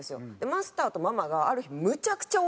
マスターとママがある日むちゃくちゃ大げんかして。